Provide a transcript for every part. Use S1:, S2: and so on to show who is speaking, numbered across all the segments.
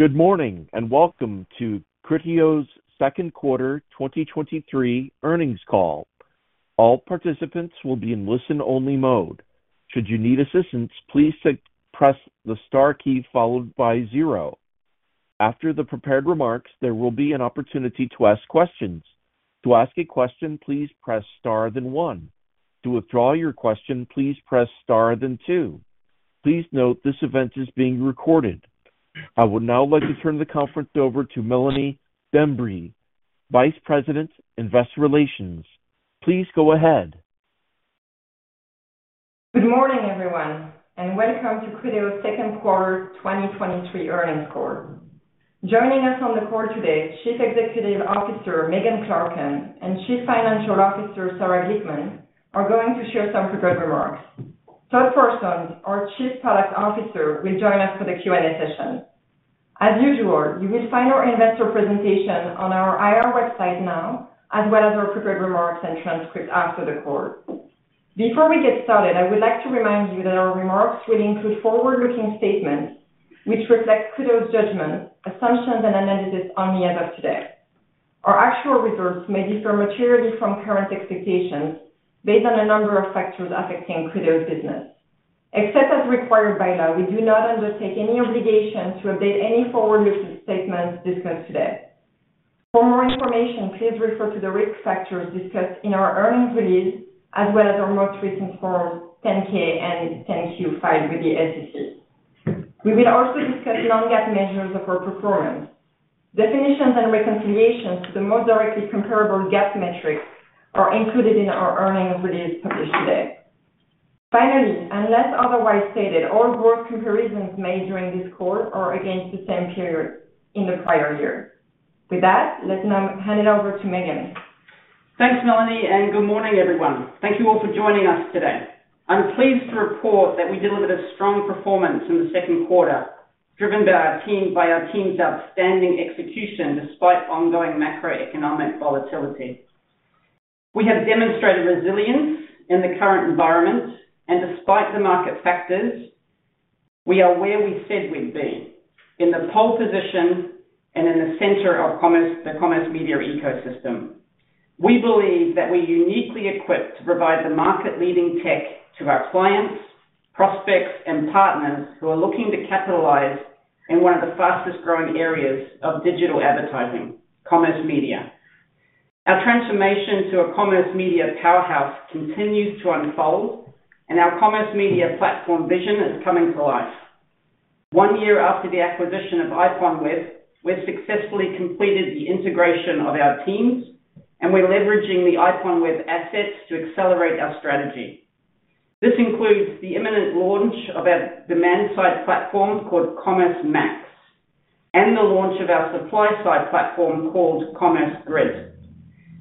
S1: Good morning, welcome to Criteo's 2Q 2023 Earnings Call. All participants will be in listen-only mode. Should you need assistance, please press the star key followed by zero. After the prepared remarks, there will be an opportunity to ask questions. To ask a question, please press star, then one. To withdraw your question, please press star, then two. Please note, this event is being recorded. I would now like to turn the conference over to Mélanie Dambre, Vice President, Investor Relations. Please go ahead.
S2: Good morning, everyone, welcome to Criteo's second quarter 2023 earnings call. Joining us on the call today, Chief Executive Officer Megan Clarken and Chief Financial Officer Sarah Glickman are going to share some prepared remarks. Todd Parsons, our Chief Product Officer, will join us for the Q&A session. As usual, you will find our investor presentation on our IR website now, as well as our prepared remarks and transcript after the call. Before we get started, I would like to remind you that our remarks will include forward-looking statements, which reflect Criteo's judgments, assumptions, and analysis on the end of today. Except as required by law, we do not undertake any obligation to update any forward-looking statements discussed today. For more information, please refer to the risk factors discussed in our earnings release, as well as our most recent form, Form 10-K and Form 10-Q filed with the SEC. We will also discuss non-GAAP measures of our performance. Definitions and reconciliations to the most directly comparable GAAP metrics are included in our earnings release published today. Finally, unless otherwise stated, all growth comparisons made during this call are against the same period in the prior year. With that, let's now hand it over to Megan.
S3: Thanks, Mélanie, and good morning, everyone. Thank you all for joining us today. I'm pleased to report that we delivered a strong performance in the second quarter, driven by our team, by our team's outstanding execution despite ongoing macroeconomic volatility. We have demonstrated resilience in the current environment, and despite the market factors, we are where we said we'd be, in the pole position and in the center of commerce-- the commerce media ecosystem. We believe that we're uniquely equipped to provide the market-leading tech to our clients, prospects, and partners who are looking to capitalize in one of the fastest-growing areas of digital advertising, commerce media. Our transformation to a commerce media powerhouse continues to unfold, and our commerce media platform vision is coming to life. One year after the acquisition of IPONWEB, we've successfully completed the integration of our teams, and we're leveraging the IPONWEB assets to accelerate our strategy. This includes the imminent launch of our demand side platform called Commerce Max, and the launch of our supply side platform called Commerce Grid.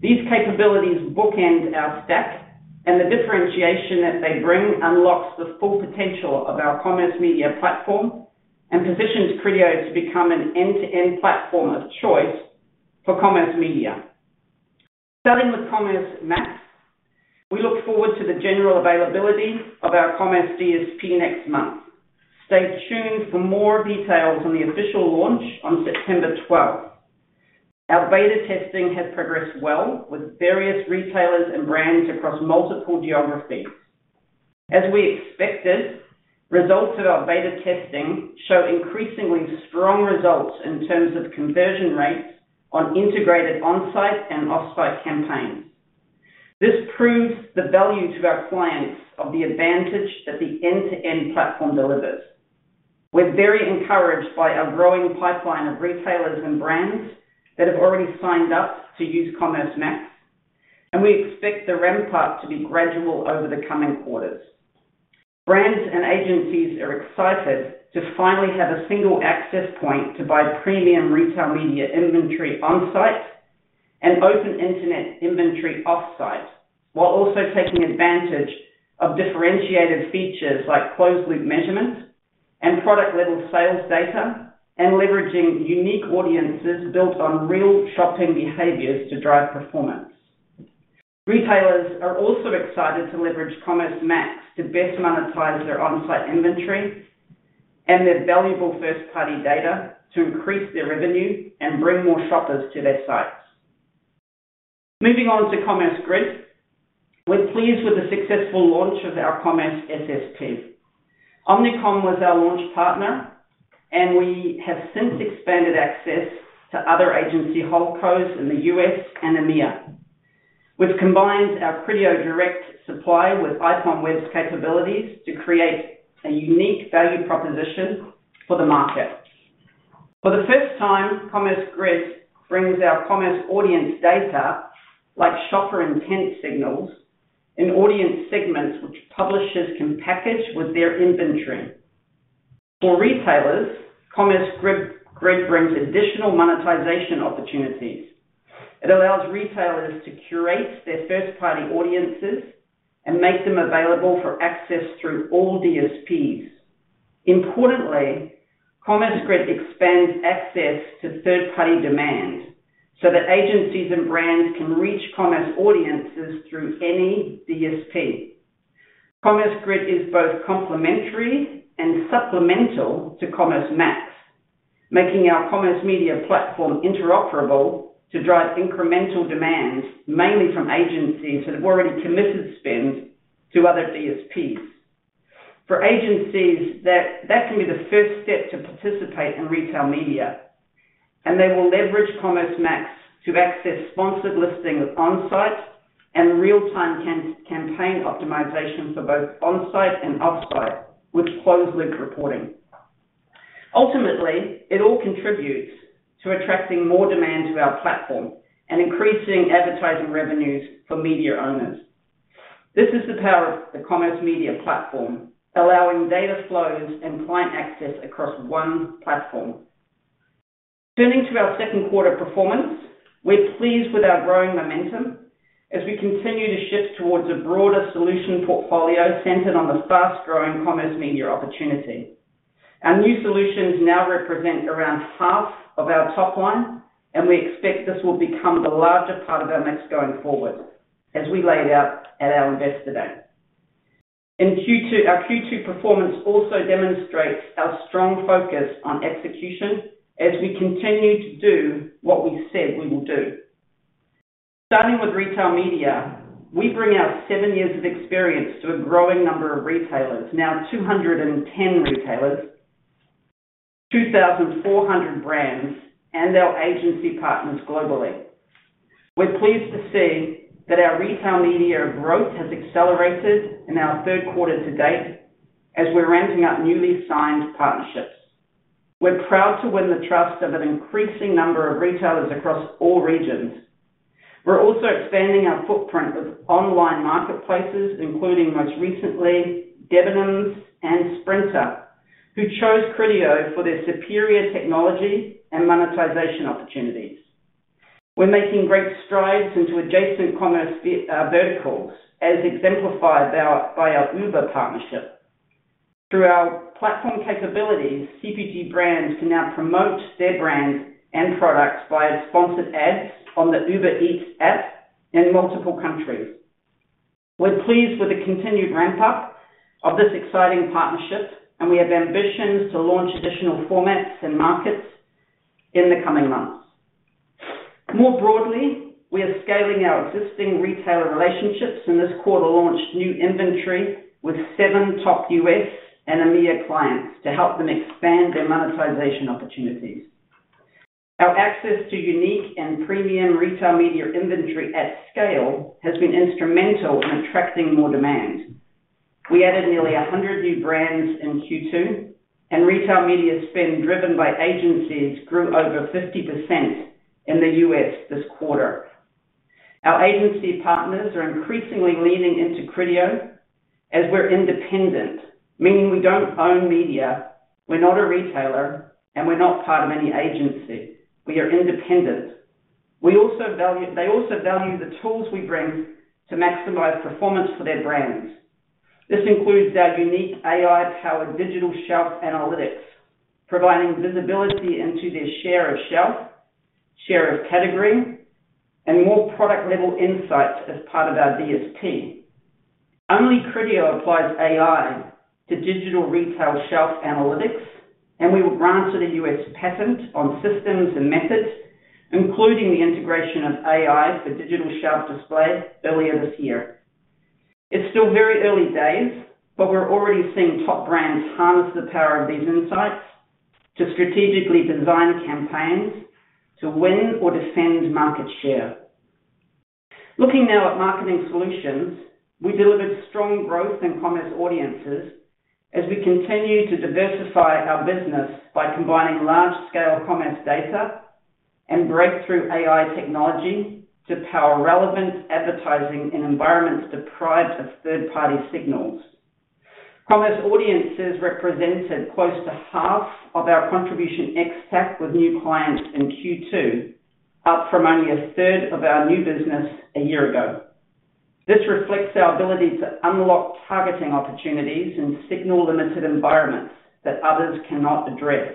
S3: These capabilities bookend our stack, and the differentiation that they bring unlocks the full potential of our commerce media platform and positions Criteo to become an end-to-end platform of choice for commerce media. Starting with Commerce Max, we look forward to the general availability of our Commerce DSP next month. Stay tuned for more details on the official launch on September 12th. Our beta testing has progressed well with various retailers and brands across multiple geographies. As we expected, results of our beta testing show increasingly strong results in terms of conversion rates on integrated on-site and off-site campaigns. This proves the value to our clients of the advantage that the end-to-end platform delivers. We're very encouraged by our growing pipeline of retailers and brands that have already signed up to use Commerce Max, and we expect the ramp up to be gradual over the coming quarters. Brands and agencies are excited to finally have a single access point to buy premium retail media inventory on-site and open internet inventory off-site, while also taking advantage of differentiated features like closed loop measurement and product-level sales data, leveraging unique audiences built on real shopping behaviors to drive performance. Retailers are also excited to leverage Commerce Max to best monetize their on-site inventory and their valuable first-party data to increase their revenue and bring more shoppers to their sites. Moving on to Commerce Grid, we're pleased with the successful launch of our Commerce SSP. Omnicom was our launch partner, and we have since expanded access to other agency holdcos in the U.S. and EMEA. We've combined our Criteo direct supply with IPONWEB's capabilities to create a unique value proposition for the market. For the first time, Commerce Grid brings our commerce audience data, like shopper intent signals and audience segments, which publishers can package with their inventory. For retailers, Commerce Grid brings additional monetization opportunities. It allows retailers to curate their first-party audiences and make them available for access through all DSPs. Importantly, Commerce Grid expands access to third-party demand so that agencies and brands can reach commerce audiences through any DSP. Commerce Grid is both complementary and supplemental to Commerce Max, making our commerce media platform interoperable to drive incremental demand, mainly from agencies that have already committed spend to other DSPs. For agencies, that, that can be the first step to participate in retail media, and they will leverage Commerce Max to access sponsored listing of on-site and real-time campaign optimization for both on-site and off-site, with closed loop reporting. Ultimately, it all contributes to attracting more demand to our platform and increasing advertising revenues for media owners. This is the power of the commerce media platform, allowing data flows and client access across one platform. Turning to our second quarter performance, we're pleased with our growing momentum as we continue to shift towards a broader solution portfolio centered on the fast-growing commerce media opportunity. Our new solutions now represent around half of our top line, and we expect this will become the larger part of our mix going forward, as we laid out at our investor day. In Q2-- Our Q2 performance also demonstrates our strong focus on execution as we continue to do what we said we will do. Starting with retail media, we bring out seven years of experience to a growing number of retailers, now 210 retailers, 2,400 brands, and our agency partners globally. We're pleased to see that our retail media growth has accelerated in our third quarter to date as we're ramping up newly signed partnerships. We're proud to win the trust of an increasing number of retailers across all regions. We're also expanding our footprint of online marketplaces, including most recently, Debenhams and Sprinter, who chose Criteo for their superior technology and monetization opportunities. We're making great strides into adjacent commerce verticals, as exemplified by our Uber partnership. Through our platform capabilities, CPG brands can now promote their brands and products via sponsored ads on the Uber Eats app in multiple countries. We're pleased with the continued ramp-up of this exciting partnership, and we have ambitions to launch additional formats and markets in the coming months. More broadly, we are scaling our existing retailer relationships, and this quarter launched new inventory with seven top U.S. and EMEA clients to help them expand their monetization opportunities. Our access to unique and premium retail media inventory at scale has been instrumental in attracting more demand. We added nearly 100 new brands in Q2, and retail media spend, driven by agencies, grew over 50% in the U.S. this quarter. Our agency partners are increasingly leaning into Criteo as we're independent, meaning we don't own media, we're not a retailer, and we're not part of any agency. We are independent. They also value the tools we bring to maximize performance for their brands. This includes our unique AI-powered digital shelf analytics, providing visibility into their share of shelf, share of category, and more product-level insights as part of our DSP. Only Criteo applies AI to digital retail shelf analytics. We were granted a U.S. patent on systems and methods, including the integration of AI for digital shelf display earlier this year. It's still very early days, but we're already seeing top brands harness the power of these insights to strategically design campaigns to win or defend market share. Looking now at marketing solutions, we delivered strong growth in commerce audiences as we continue to diversify our business by combining large-scale commerce data and breakthrough AI technology to power relevant advertising in environments deprived of third-party signals. Commerce audiences represented close to half of our Contribution ex-TAC with new clients in Q2, up from only a third of our new business a year ago. This reflects our ability to unlock targeting opportunities in signal-limited environments that others cannot address.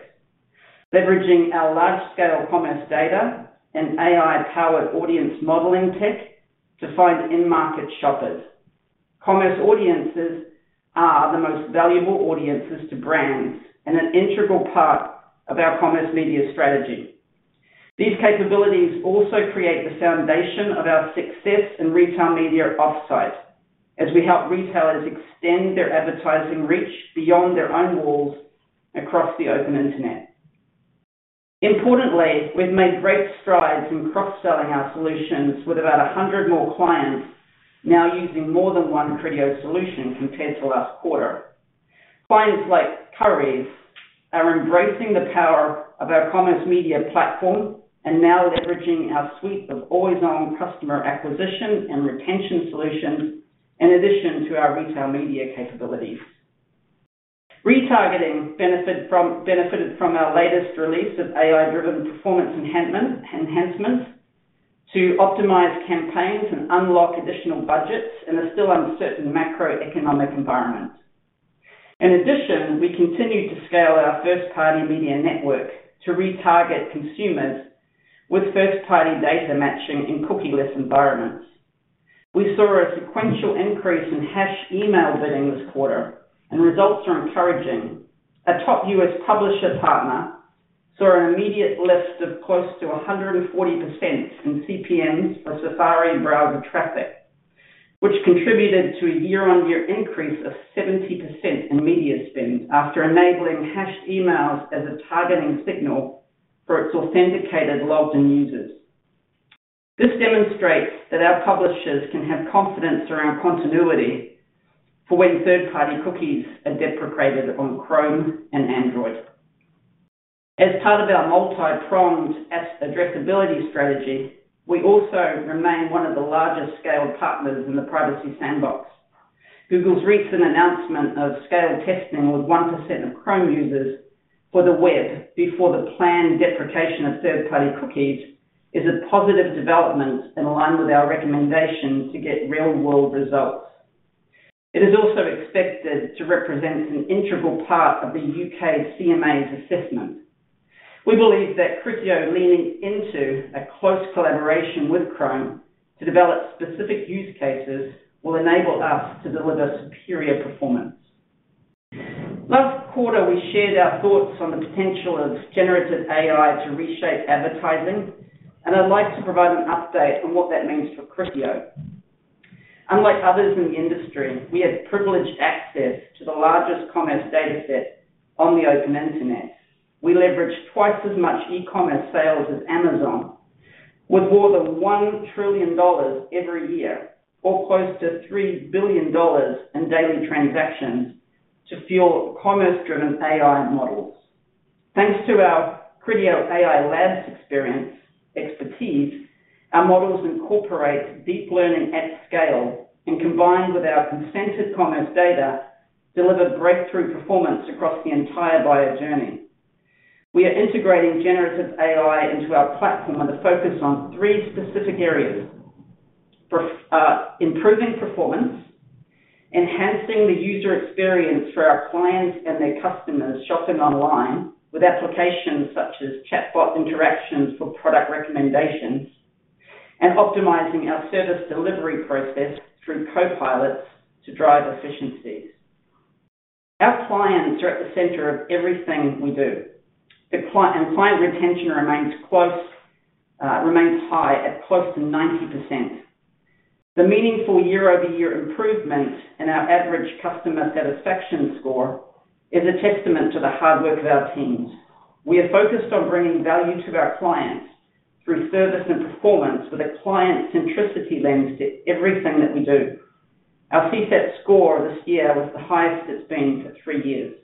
S3: Leveraging our large-scale commerce data and AI-powered audience modeling tech to find in-market shoppers. Commerce audiences are the most valuable audiences to brands and an integral part of our commerce media strategy. These capabilities also create the foundation of our success in retail media off-site, as we help retailers extend their advertising reach beyond their own walls across the open internet. Importantly, we've made great strides in cross-selling our solutions with about 100 more clients now using more than one Criteo solution compared to last quarter. Clients like Currys are embracing the power of our commerce media platform and now leveraging our suite of always-on customer acquisition and retention solutions, in addition to our retail media capabilities. Retargeting benefited from our latest release of AI-driven performance enhancements to optimize campaigns and unlock additional budgets in a still uncertain macroeconomic environment. We continued to scale our first-party media network to retarget consumers with first-party data matching in cookieless environments. We saw a sequential increase in hashed email bidding this quarter, and results are encouraging. A top U.S. publisher partner saw an immediate lift of close to 140% in CPMs for Safari browser traffic, which contributed to a year-on-year increase of 70% in media spend after enabling hashed emails as a targeting signal for its authenticated logged-in users. This demonstrates that our publishers can have confidence around continuity for when third-party cookies are deprecated on Chrome and Android. As part of our multi-pronged app addressability strategy, we also remain one of the largest scale partners in the Privacy Sandbox. Google's recent announcement of scaled testing with 1% of Chrome users for the web before the planned deprecation of third-party cookies, is a positive development and align with our recommendation to get real-world results. It is also expected to represent an integral part of the UK's CMA's assessment. We believe that Criteo leaning into a close collaboration with Chrome to develop specific use cases, will enable us to deliver superior performance. Last quarter, we shared our thoughts on the potential of Generative AI to reshape advertising, and I'd like to provide an update on what that means for Criteo. Unlike others in the industry, we have privileged access to the largest commerce data set on the open internet. We leverage twice as much e-commerce sales as Amazon, with more than $1 trillion every year, or close to $3 billion in daily transactions to fuel commerce-driven AI models. Thanks to our Criteo AI Lab experience, expertise, our models incorporate deep learning at scale, and combined with our consented commerce data, deliver breakthrough performance across the entire buyer journey. We are integrating Generative AI into our platform with a focus on three specific areas: prof, improving performance, enhancing the user experience for our clients and their customers shopping online with applications such as chatbot interactions for product recommendations, and optimizing our service delivery process through copilots to drive efficiencies. Our clients are at the center of everything we do. The client and client retention remains close, remains high at close to 90%. The meaningful year-over-year improvement in our average customer satisfaction score is a testament to the hard work of our teams. We are focused on bringing value to our clients through service and performance, with a client-centricity lens to everything that we do. Our CSAT score this year was the highest it's been for three years.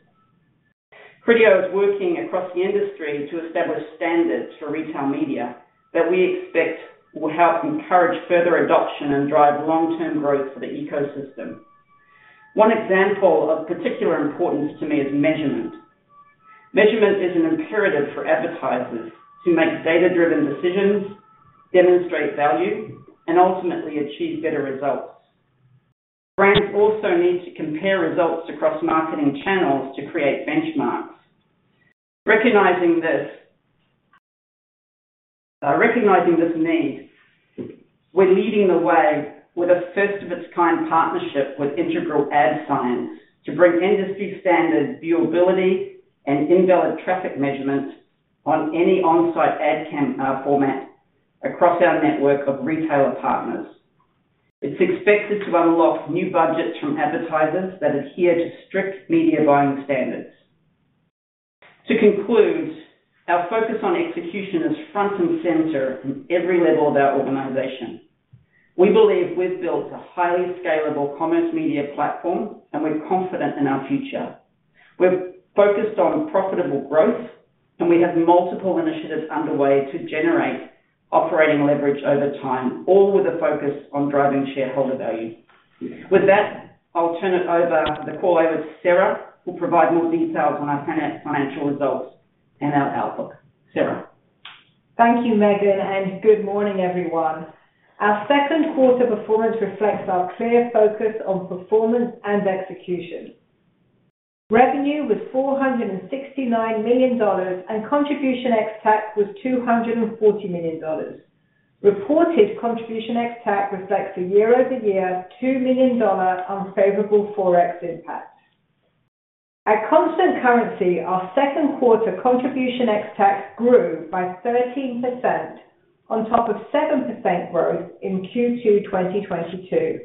S3: Criteo is working across the industry to establish standards for retail media, that we expect will help encourage further adoption and drive long-term growth for the ecosystem. One example of particular importance to me is measurement. Measurement is an imperative for advertisers to make data-driven decisions, demonstrate value, and ultimately achieve better results. Brands also need to compare results across marketing channels to create benchmarks. Recognizing this, recognizing this need, we're leading the way with a first-of-its-kind partnership with Integral Ad Science, to bring industry-standard viewability and invalid traffic measurement on any on-site ad format across our network of retailer partners. It's expected to unlock new budgets from advertisers that adhere to strict media buying standards. To conclude, our focus on execution is front and center in every level of our organization. We believe we've built a highly scalable commerce media platform, and we're confident in our future. We're focused on profitable growth, and we have multiple initiatives underway to generate operating leverage over time, all with a focus on driving shareholder value. With that, I'll turn it over, the call over to Sarah, who'll provide more details on our financial results and our outlook. Sarah?
S4: Thank you, Megan. Good morning, everyone. Our second quarter performance reflects our clear focus on performance and execution. Revenue was $469 million, and Contribution ex-TAC was $240 million. Reported Contribution ex-TAC reflects a year-over-year $2 million unfavorable Forex impact. At constant currency, our second quarter Contribution ex-TAC grew by 13%, on top of 7% growth in Q2 2022.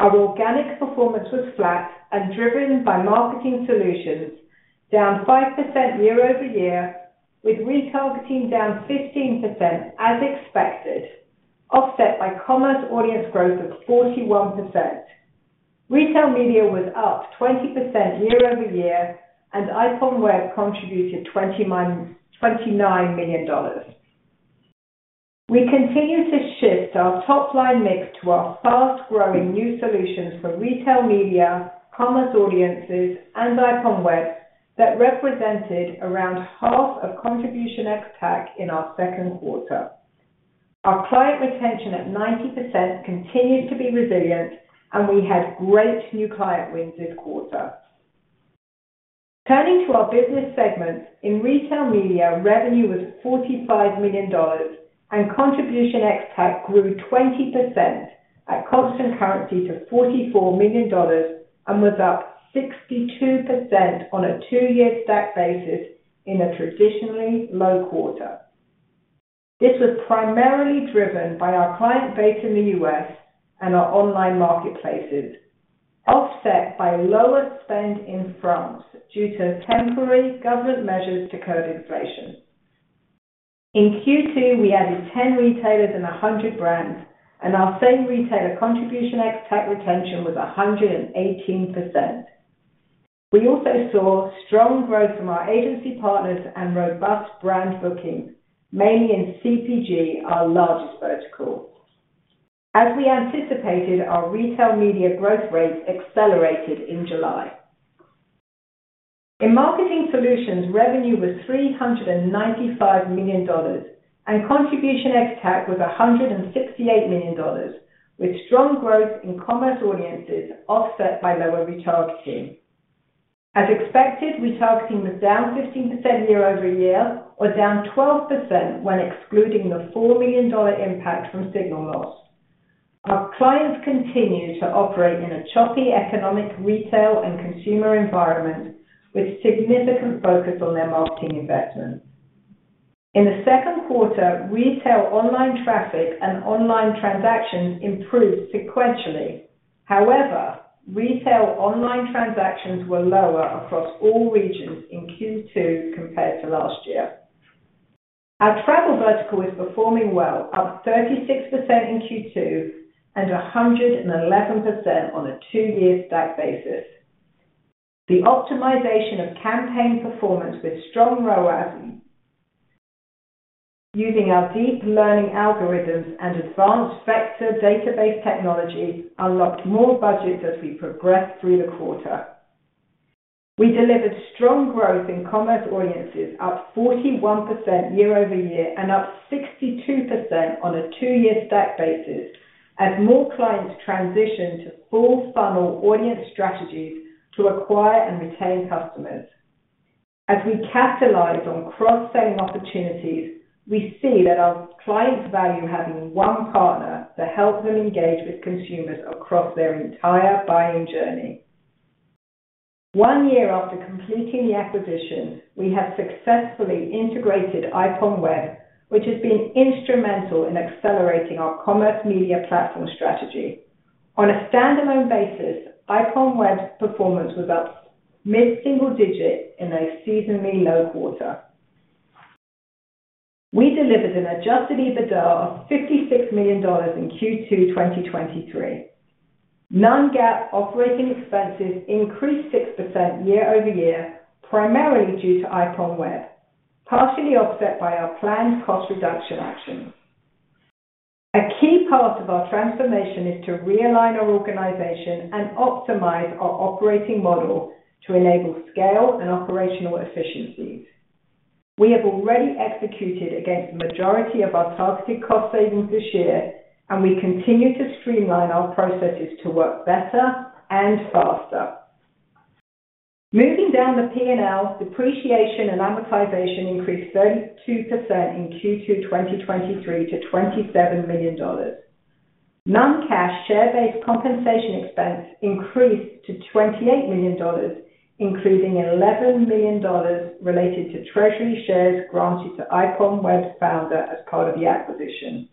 S4: Our organic performance was flat and driven by marketing solutions, down 5% year-over-year, with retargeting down 15% as expected, offset by commerce audience growth of 41%. Retail media was up 20% year-over-year, and IPONWEB contributed $29 million. We continue to shift our top-line mix to our fast-growing new solutions for retail media, commerce audiences, and IPONWEB, that represented around half of Contribution ex-TAC in our second quarter. Our client retention at 90% continued to be resilient, we had great new client wins this quarter. Turning to our business segments. In retail media, revenue was $45 million, Contribution ex-TAC grew 20% at constant currency to $44 million, was up 62% on a two-year stack basis in a traditionally low quarter. This was primarily driven by our client base in the U.S. and our online marketplaces, offset by lower spend in France due to temporary government measures to curb inflation. In Q2, we added 10 retailers and 100 brands, our same retailer Contribution ex-TAC retention was 118%. We also saw strong growth from our agency partners and robust brand bookings, mainly in CPG, our largest vertical. As we anticipated, our retail media growth rates accelerated in July. In marketing solutions, revenue was $395 million, and Contribution ex-TAC was $168 million, with strong growth in Commerce audiences offset by lower retargeting. As expected, retargeting was down 15% year-over-year or down 12% when excluding the $4 million impact from signal loss. Our clients continue to operate in a choppy economic, retail, and consumer environment, with significant focus on their marketing investments. In the second quarter, retail, online traffic and online transactions improved sequentially. However, retail online transactions were lower across all regions in Q2 compared to last year. Our travel vertical is performing well, up 36% in Q2 and 111% on a two-year stack basis. The optimization of campaign performance with strong ROAS, using our deep learning algorithms and advanced vector database technology, unlocked more budgets as we progressed through the quarter. We delivered strong growth in commerce audiences, up 41% year-over-year and up 62% on a two-year stack basis, as more clients transition to full funnel audience strategies to acquire and retain customers. As we capitalize on cross-selling opportunities, we see that our clients value having one partner to help them engage with consumers across their entire buying journey. One year after completing the acquisition, we have successfully integrated IPONWEB, which has been instrumental in accelerating our commerce media platform strategy. On a standalone basis, IPONWEB's performance was up mid-single digit in a seasonally low quarter. We delivered an Adjusted EBITDA of $56 million in Q2, 2023. Non-GAAP operating expenses increased 6% year-over-year, primarily due to IPONWEB, partially offset by our planned cost reduction actions. A key part of our transformation is to realign our organization and optimize our operating model to enable scale and operational efficiencies. We have already executed against the majority of our targeted cost savings this year, and we continue to streamline our processes to work better and faster. Moving down the P&L, depreciation and amortization increased 32% in Q2, 2023 to $27 million. Non-cash share-based compensation expense increased to $28 million, including $11 million related to treasury shares granted to IPONWEB's founder as part of the acquisition.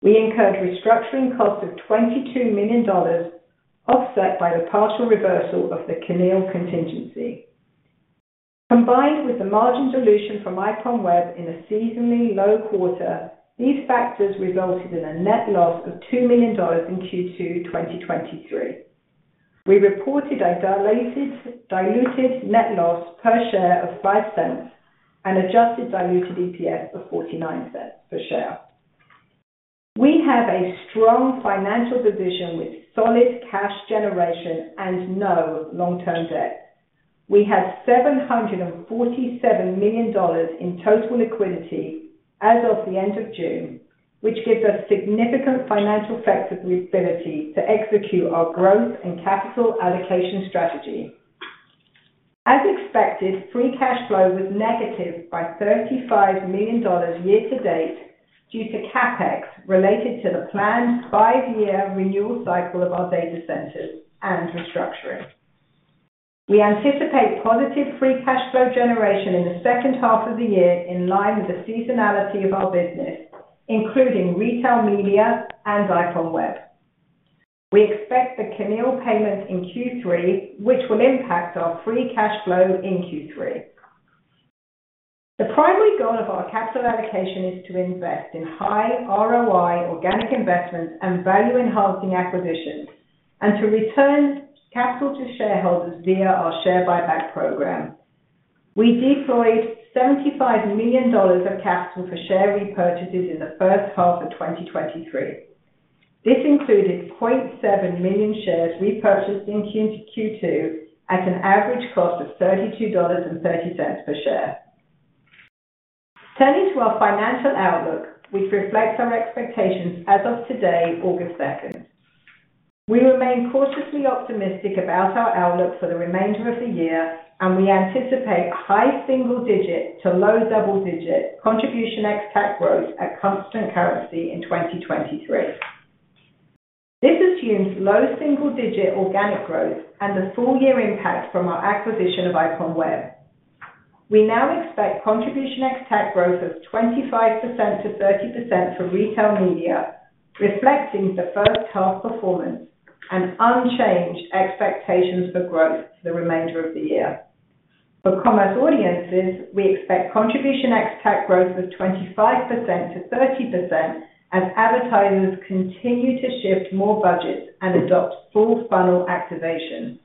S4: We incurred restructuring costs of $22 million, offset by the partial reversal of the CNIL contingency. Combined with the margin dilution from IPONWEB in a seasonally low quarter, these factors resulted in a net loss of $2 million in Q2, 2023. We reported a dilated, diluted net loss per share of $0.05 and adjusted diluted EPS of $0.49 per share. We have a strong financial position with solid cash generation and no long-term debt. We had $747 million in total liquidity as of the end of June, which gives us significant financial flexibility to execute our growth and capital allocation strategy. As expected, free cash flow was negative by $35 million year to date due to CapEx related to the planned five-year renewal cycle of our data centers and restructuring. We anticipate positive free cash flow generation in the second half of the year, in line with the seasonality of our business, including retail media and IPONWEB. We expect the CNIL payment in Q3, which will impact our free cash flow in Q3. The primary goal of our capital allocation is to invest in high ROI, organic investments, and value-enhancing acquisitions, and to return capital to shareholders via our share buyback program. We deployed $75 million of capital for share repurchases in the first half of 2023. This included 0.7 million shares repurchased in Q2 at an average cost of $32.30 per share. Turning to our financial outlook, which reflects our expectations as of today, August second. We remain cautiously optimistic about our outlook for the remainder of the year, we anticipate high single digit to low double-digit Contribution ex-TAC growth at constant currency in 2023. This assumes low single digit organic growth and the full-year impact from our acquisition of IPONWEB. We now expect Contribution ex-TAC growth of 25%-30% for retail media, reflecting the first half performance and unchanged expectations for growth for the remainder of the year. For commerce audiences, we expect Contribution ex-TAC growth of 25%-30%, as advertisers continue to shift more budgets and adopt full funnel activation.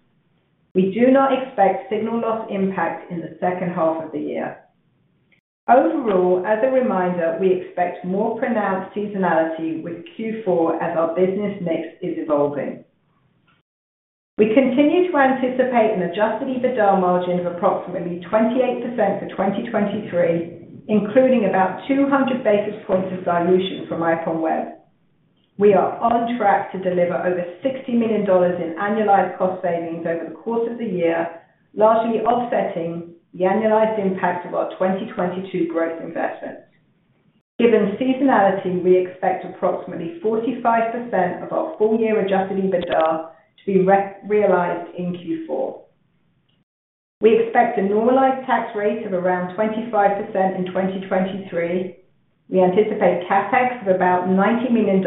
S4: We do not expect signal loss impact in the second half of the year. Overall, as a reminder, we expect more pronounced seasonality with Q4 as our business mix is evolving. We continue to anticipate an adjusted EBITDA margin of approximately 28% for 2023, including about 200 basis points of dilution from IPONWEB. We are on track to deliver over $60 million in annualized cost savings over the course of the year, largely offsetting the annualized impact of our 2022 growth investments. Given seasonality, we expect approximately 45% of our full-year Adjusted EBITDA to be re- realized in Q4. We expect a normalized tax rate of around 25% in 2023. We anticipate CapEx of about $90 million,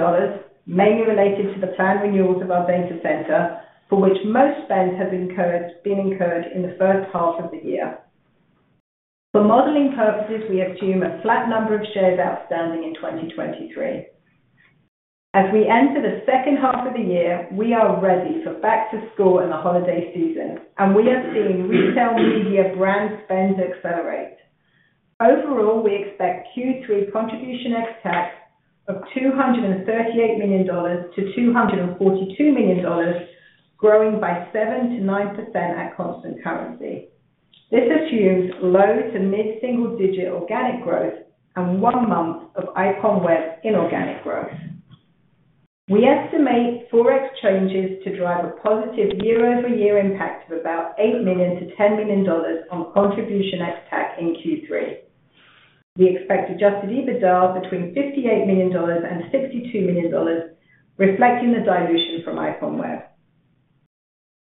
S4: mainly related to the planned renewals of our data center, for which most spend has been incurred in the first half of the year. For modeling purposes, we assume a flat number of shares outstanding in 2023. As we enter the second half of the year, we are ready for back to school and the holiday season, and we are seeing retail media brand spend accelerate. Overall, we expect Q3 Contribution ex-TAC of $238 million-$242 million, growing by 7%-9% at constant currency. This assumes low to mid single-digit organic growth and 1 month of IPONWEB inorganic growth. We estimate Forex changes to drive a positive year-over-year impact of about $8 million-$10 million on Contribution ex-TAC in Q3. We expect Adjusted EBITDA between $58 million and $62 million, reflecting the dilution from IPONWEB.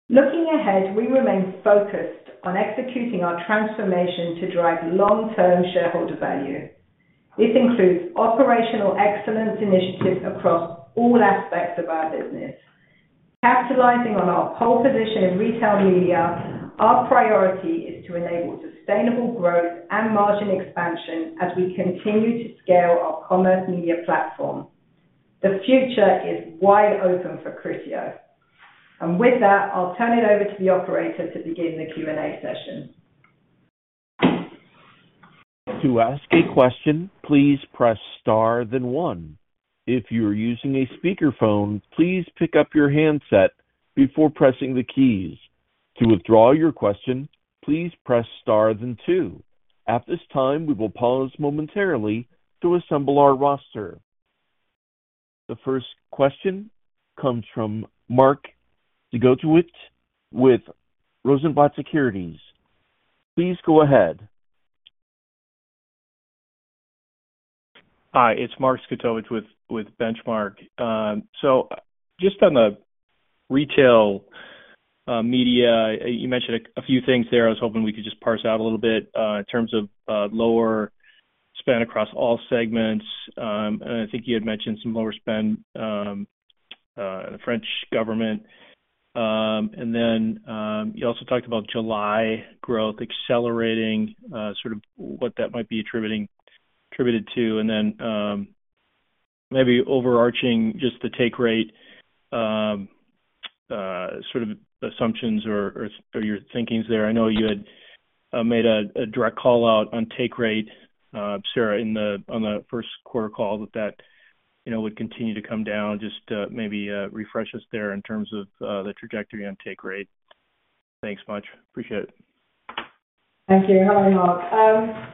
S4: Looking ahead, we remain focused on executing our transformation to drive long-term shareholder value. This includes operational excellence initiatives across all aspects of our business. Capitalizing on our pole position in retail media, our priority is to enable sustainable growth and margin expansion as we continue to scale our commerce media platform. The future is wide open for Criteo. With that, I'll turn it over to the operator to begin the Q&A session.
S1: To ask a question, please press star then one. If you are using a speakerphone, please pick up your handset before pressing the keys. To withdraw your question, please press star then two. At this time, we will pause momentarily to assemble our roster. The first question comes from Mark Zgutowicz with Rosenblatt Securities. Please go ahead.
S5: Hi, it's Mark Mahaney with Benchmark. Just on the retail media, you mentioned a few things there. I was hoping we could just parse out a little bit in terms of lower spend across all segments. I think you had mentioned some lower spend, the French government. Then you also talked about July growth accelerating, sort of what that might be attributing, attributed to, and then maybe overarching just the take rate, sort of assumptions or your thinkings there. I know you had made a direct call out on take rate, Sarah, on the first quarter call that, you know, would continue to come down. Just maybe refresh us there in terms of the trajectory on take rate. Thanks much. Appreciate it.
S4: Thank you. Hi, Mark.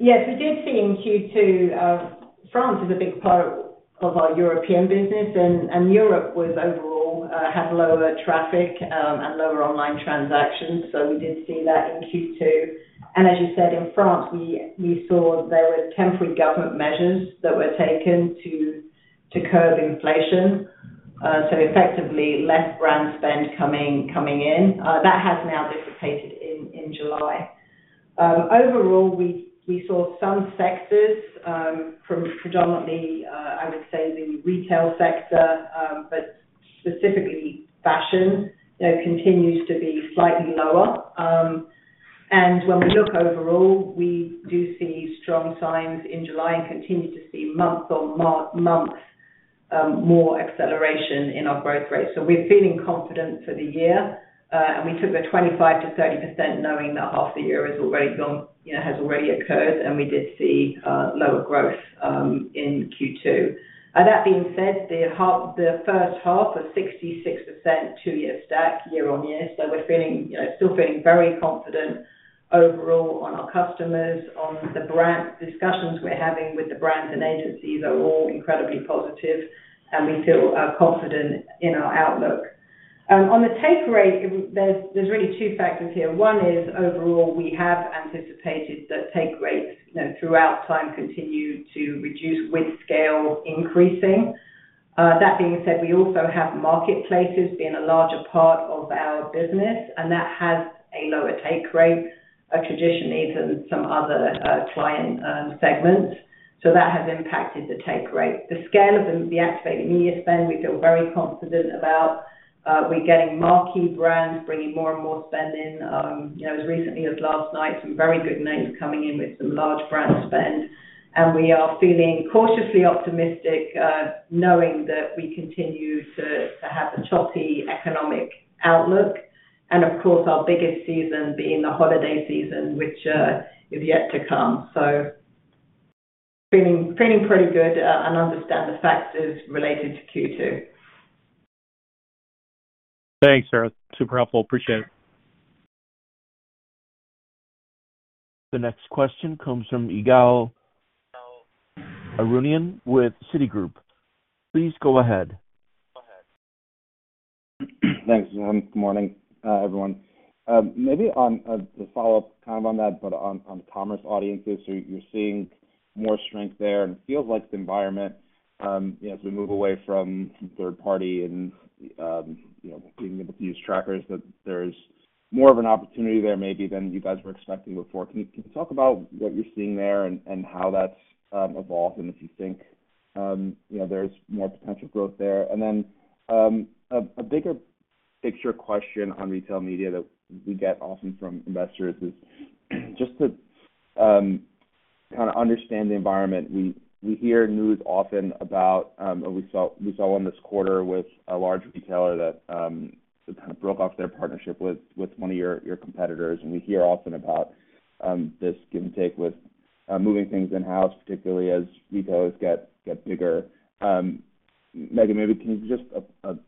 S4: Yes, we did see in Q2, France is a big part of our European business, and, and Europe was overall, had lower traffic, and lower online transactions, so we did see that in Q2. As you said, in France, we, we saw there were temporary government measures that were taken to, to curb inflation. So effectively, less brand spend coming, coming in. That has now dissipated in, in July. Overall, we, we saw some sectors, from predominantly, I would say the retail sector, but specifically fashion, you know, continues to be slightly lower. When we look overall, we do see strong signs in July and continue to see month-on-month.... more acceleration in our growth rate. We're feeling confident for the year, and we took the 25%-30%, knowing that half the year is already gone, you know, has already occurred, and we did see lower growth in Q2. That being said, the first half of 66%, two-year stack, year-on-year. We're feeling, you know, still feeling very confident overall on our customers, on the brand. Discussions we're having with the brands and agencies are all incredibly positive, and we feel confident in our outlook. On the take rate, there's, there's really two factors here. One is, overall, we have anticipated that take rates, you know, throughout time continue to reduce with scale increasing. That being said, we also have marketplaces being a larger part of our business, and that has a lower take rate, traditionally, than some other client segments. That has impacted the take rate. The scale of the, the activated media spend, we feel very confident about. We're getting marquee brands, bringing more and more spend in. You know, as recently as last night, some very good names coming in with some large brand spend. We are feeling cautiously optimistic, knowing that we continue to, to have a choppy economic outlook. Of course, our biggest season being the holiday season, which is yet to come. Feeling, feeling pretty good, and understand the factors related to Q2.
S6: Thanks, Sarah. Super helpful. Appreciate it.
S1: The next question comes from Ygal Arounian with Citigroup. Please go ahead.
S7: Thanks, everyone. Good morning, everyone. Maybe on to follow up kind of on that, but on, on commerce audiences, you're seeing more strength there. It feels like the environment, you know, as we move away from third party and, you know, being able to use trackers, that there's more of an opportunity there maybe than you guys were expecting before. Can you, can you talk about what you're seeing there and, and how that's evolved, and if you think, you know, there's more potential growth there? Then a bigger picture question on retail media that we get often from investors is, just to kind of understand the environment. We, we hear news often about, we saw, we saw one this quarter with a large retailer that, kind of broke off their partnership with, with one of your, your competitors. And we hear often about, this give-and-take with, moving things in-house, particularly as retailers get, get bigger. Megan, maybe can you just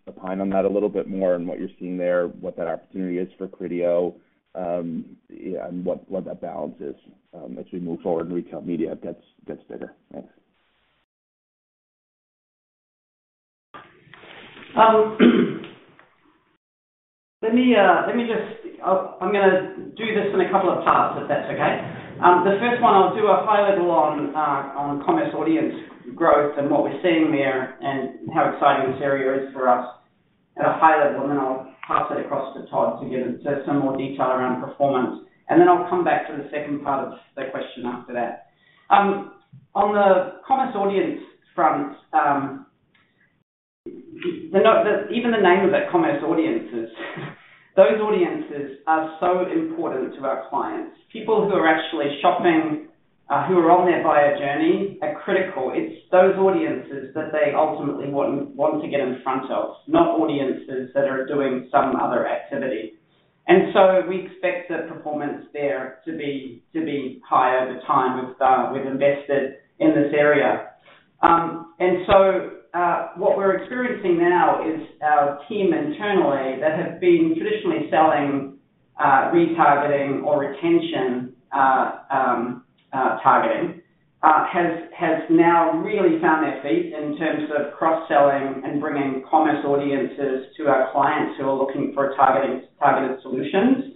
S7: opine on that a little bit more and what you're seeing there, what that opportunity is for Criteo, yeah, and what, what that balance is, as we move forward and retail media gets, gets bigger? Thanks.
S3: Let me, let me just... I, I'm gonna do this in a couple of parts, if that's okay. The first one, I'll do a high level on commerce audience growth and what we're seeing there and how exciting this area is for us at a high level, then I'll pass it across to Todd to get into some more detail around performance. I'll come back to the second part of the question after that. On the commerce audience front, even the name of it, commerce audiences, those audiences are so important to our clients. People who are actually shopping, who are on their buyer journey, are critical. It's those audiences that they ultimately want, want to get in front of, not audiences that are doing some other activity. We expect the performance there to be, to be high over time. We've, we've invested in this area. What we're experiencing now is our team internally that have been traditionally selling, retargeting or retention, targeting, has, has now really found their feet in terms of cross-selling and bringing commerce audiences to our clients who are looking for targeted, targeted solutions.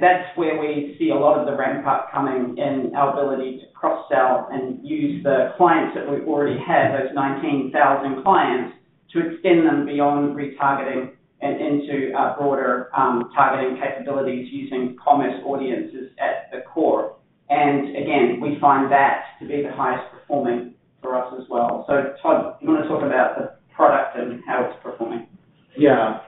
S3: That's where we see a lot of the ramp-up coming in our ability to cross-sell and use the clients that we already have, those 19,000 clients, to extend them beyond retargeting and into our broader, targeting capabilities using commerce audiences at the core. Again, we find that to be the highest performing for us as well. Todd, you want to talk about the product and how it's performing?
S6: Yeah.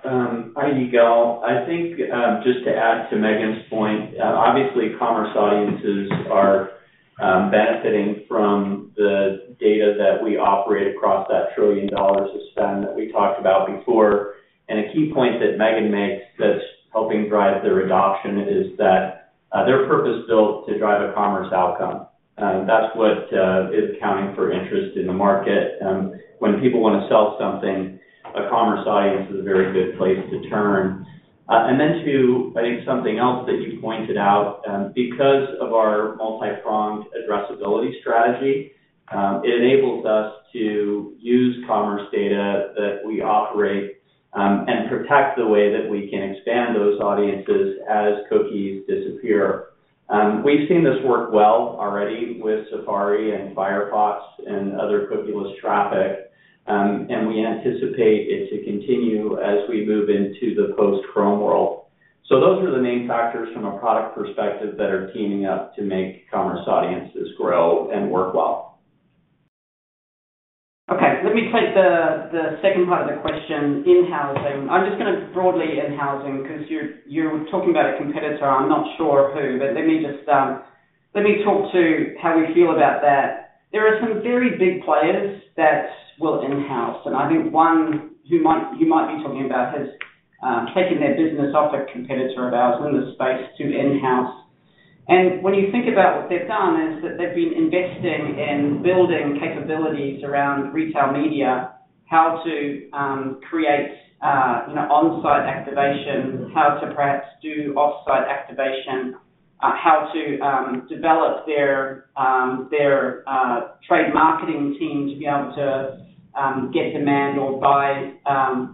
S6: Hi, Ygal. I think, just to add to Megan's point, obviously, commerce audiences are benefiting from the data that we operate across that $1 trillion of spend that we talked about before. A key point that Megan makes that's helping drive their adoption is that they're purpose-built to drive a commerce outcome. That's what is accounting for interest in the market. When people want to sell something, a commerce audience is a very good place to turn. And then two, I think something else that you pointed out, because of our multi-pronged addressability strategy, it enables us to use commerce data that we operate, and protect the way that we can expand those audiences as cookies disappear. We've seen this work well already with Safari and Firefox and other cookieless traffic, and we anticipate it to continue as we move into the post-Chrome world. Those are the main factors from a product perspective that are teaming up to make commerce audiences grow and work well.
S3: Okay, let me take the, the second part of the question, in-housing. I'm just gonna broadly in-housing, because you're, you're talking about a competitor. I'm not sure who. Let me talk to how we feel about that. There are some very big players that will in-house. I think one who you might be talking about has taken their business off a competitor of ours in the space to in-house. When you think about what they've done, is that they've been investing in building capabilities around retail media, how to create, you know, on-site activation, how to perhaps do off-site activation, how to develop their, their trade marketing team to be able to get demand or buy,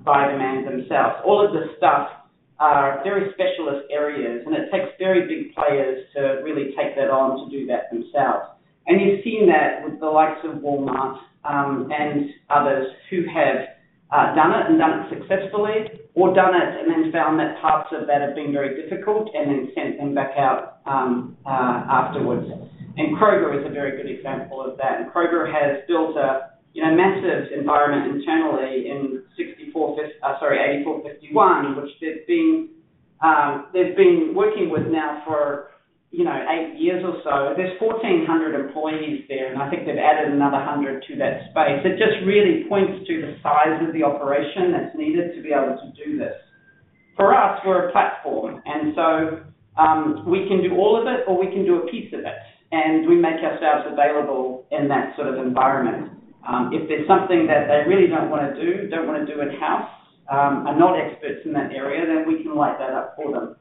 S3: buy demand themselves. All of this stuff are very specialist areas. It takes very big players to really take that on, to do that themselves. You've seen that with the likes of Walmart and others who have done it and done it successfully, or done it and then found that parts of that have been very difficult and then sent them back out afterwards. Kroger is a very good example of that. Kroger has built a, you know, massive environment internally in 84.51°, which they've been working with now for, you know, eight years or so. There's 1,400 employees there, and I think they've added another 100 to that space. It just really points to the size of the operation that's needed to be able to do this. For us, we're a platform. We can do all of it, or we can do a piece of it, and we make ourselves available in that sort of environment. If there's something that they really don't want to do, don't want to do in-house, are not experts in that area, then we can light that up for them.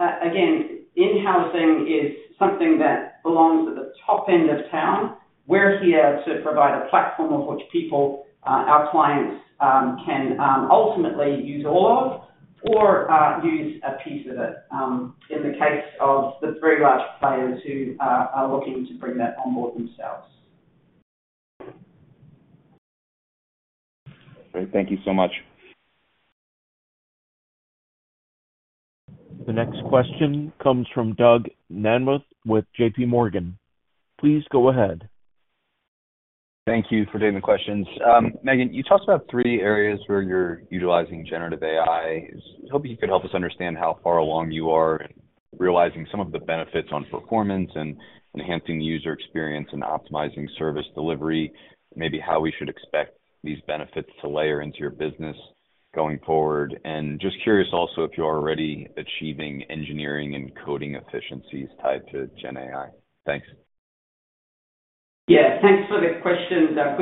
S3: Again, in-housing is something that belongs at the top end of town. We're here to provide a platform of which people, our clients, can ultimately use all of or use a piece of it, in the case of the very large players who are looking to bring that on board themselves.
S7: Great. Thank you so much.
S1: The next question comes from Douglas Anmuth with JPMorgan. Please go ahead.
S8: Thank you for taking the questions. Megan, you talked about three areas where you're utilizing Generative AI. I was hoping you could help us understand how far along you are in realizing some of the benefits on performance and enhancing the user experience and optimizing service delivery, maybe how we should expect these benefits to layer into your business going forward. Just curious also if you're already achieving engineering and coding efficiencies tied to Gen AI. Thanks.
S3: Yeah, thanks for the question, Doug.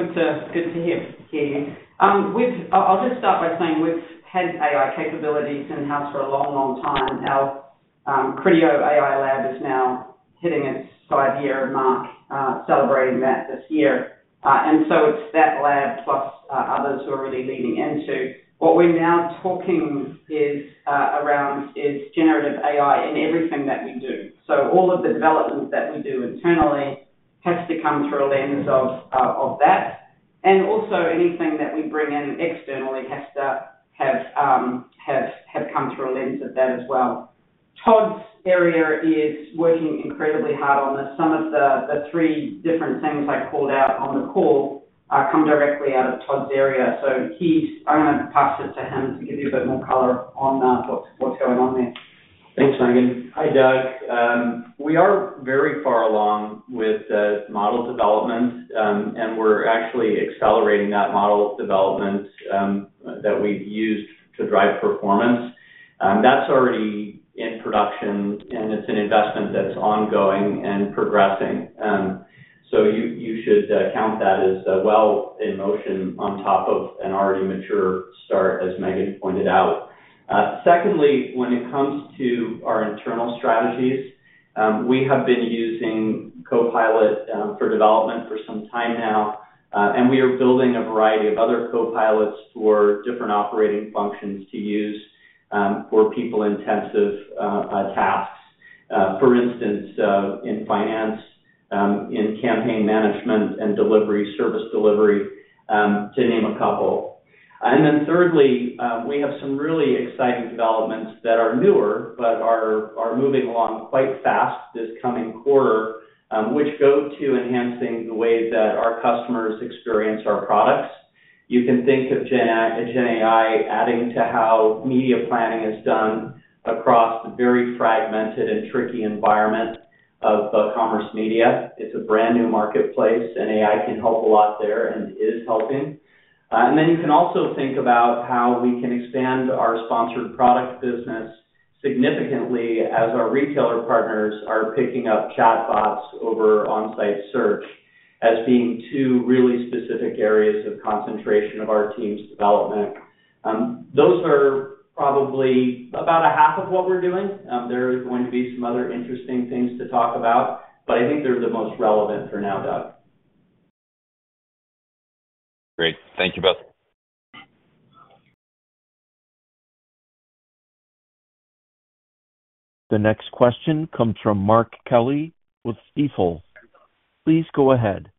S3: Good to hear you. I'll just start by saying we've had AI capabilities in-house for a long, long time now. Criteo AI Lab is now hitting its five-year mark, celebrating that this year. So it's that lab, plus others who are really leaning into. What we're now talking around is Generative AI in everything that we do. All of the developments that we do internally has to come through a lens of that, and also anything that we bring in externally has to have come through a lens of that as well. Todd's area is working incredibly hard on this. Some of the three different things I called out on the call come directly out of Todd's area, so he's...I'm going to pass it to him to give you a bit more color on what's, what's going on there.
S6: Thanks, Megan. Hi, Doug. We are very far along with the model development, and we're actually accelerating that model development, that we've used to drive performance. That's already in production, and it's an investment that's ongoing and progressing. You, you should count that as well in motion on top of an already mature start, as Megan pointed out. Secondly, when it comes to our internal strategies, we have been using Copilot for development for some time now, and we are building a variety of other Copilots for different operating functions to use for people-intensive tasks. For instance, in finance, in campaign management and delivery, service delivery, to name a couple. Then thirdly, we have some really exciting developments that are newer, but are moving along quite fast this coming quarter, which go to enhancing the way that our customers experience our products. You can think of Gen AI adding to how media planning is done across a very fragmented and tricky environment of commerce media. It's a brand new marketplace, and AI can help a lot there and is helping. Then you can also think about how we can expand our sponsored product business significantly as our retailer partners are picking up chatbots over on-site search as being 2 really specific areas of concentration of our team's development. Those are probably about a half of what we're doing. There is going to be some other interesting things to talk about, but I think they're the most relevant for now, Doug.
S8: Great. Thank you both.
S1: The next question comes from Mark Kelley with Stifel. Please go ahead.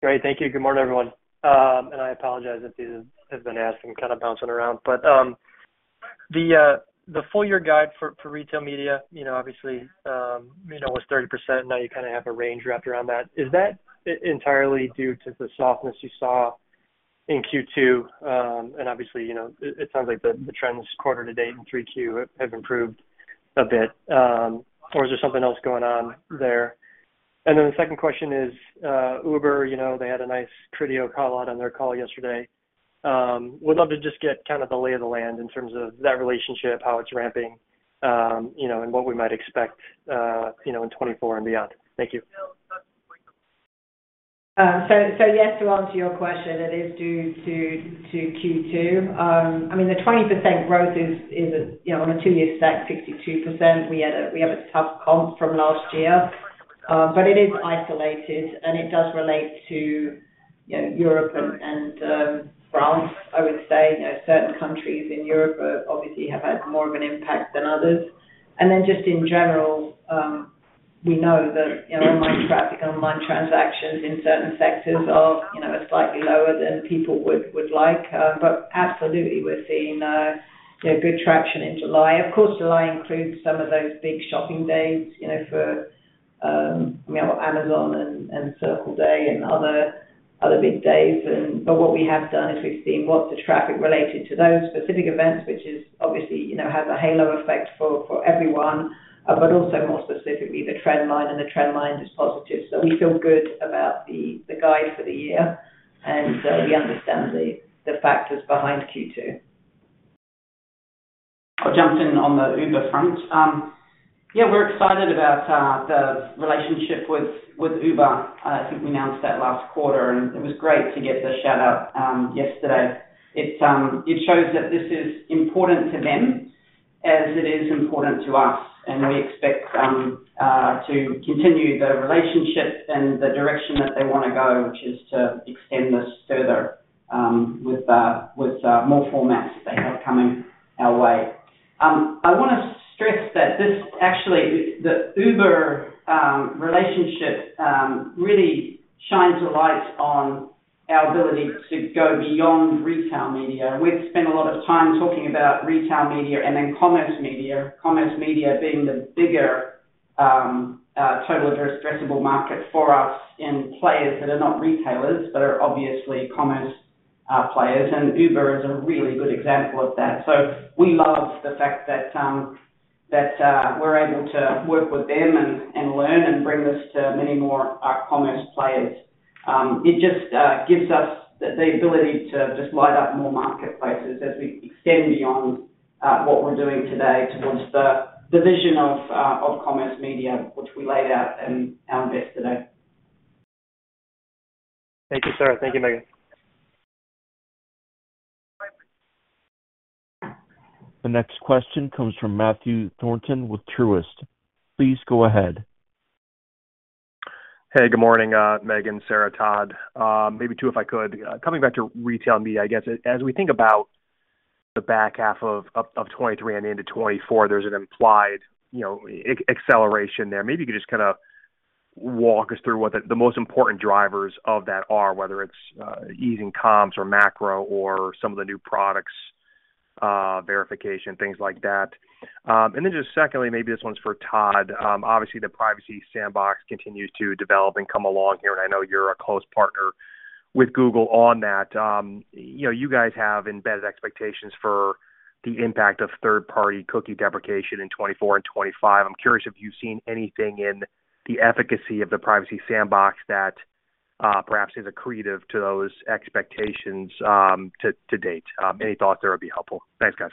S9: Great. Thank you. Good morning, everyone. I apologize if these have been asked. I'm kind of bouncing around. The full-year guide for retail media, you know, obviously, was 30%. Now you kind of have a range wrapped around that. Is that entirely due to the softness you saw in Q2? Obviously, you know, it sounds like the trends quarter to date in 3Q have improved a bit. Or is there something else going on there? The second question is, Uber, you know, they had a nice Criteo call out on their call yesterday. Would love to just get kind of the lay of the land in terms of that relationship, how it's ramping, you know, and what we might expect, you know, in 2024 and beyond. Thank you.
S4: Yes, to answer your question, it is due to Q2. I mean, the 20% growth is, you know, on a two-year stack, 62%. We have a tough comp from last year, it is isolated, and it does relate to, you know, Europe and France. I would say, you know, certain countries in Europe obviously have had more of an impact than others. Just in general, we know that, you know, online traffic, online transactions in certain sectors are, you know, slightly lower than people would like. Absolutely, we're seeing, you know, good traction in July. Of course, July includes some of those big shopping days, you know, for, you know, Amazon and Circle Day and other big days. But what we have done is we've seen what the traffic related to those specific events, which is obviously, you know, has a halo effect for everyone, but also more specifically the trend line, and the trend line is positive. We feel good about the guide for the year, and we understand the factors behind Q2.
S3: I'll jump in on the Uber front. Yeah, we're excited about the relationship with Uber. I think we announced that last quarter, and it was great to get the shout-out yesterday. It shows that this is important to them as it is important to us, and we expect to continue the relationship and the direction that they want to go, which is to extend this further with more formats that they have coming our way. hat this actually, the, the Uber relationship really shines a light on our ability to go beyond retail media. We've spent a lot of time talking about retail media and then commerce media. Commerce media being the bigger total addressable market for us in players that are not retailers, but are obviously commerce players, and Uber is a really good example of that. So we love the fact that we're able to work with them and learn and bring this to many more commerce players. It just gives us the ability to just light up more marketplaces as we extend beyond what we're doing today towards the vision of commerce media, which we laid out in our Investor Day.
S9: Thank you, Sarah. Thank you, Megan.
S1: The next question comes from Matthew Thornton with Truist. Please go ahead.
S10: Hey, good morning, Megan, Sarah, Todd. Maybe two, if I could. Coming back to retail media, I guess as we think about the back half of 2023 and into 2024, there's an implied, you know, acceleration there. Maybe you could just kind of walk us through what the, the most important drivers of that are, whether it's easing comps or macro or some of the new products, verification, things like that. And then just secondly, maybe this one's for Todd. Obviously, the Privacy Sandbox continues to develop and come along here, and I know you're a close partner with Google on that. You know, you guys have embedded expectations for the impact of third-party cookie deprecation in 2024 and 2025. I'm curious if you've seen anything in the efficacy of the Privacy Sandbox that perhaps is accretive to those expectations to, to date. Any thoughts there would be helpful. Thanks, guys.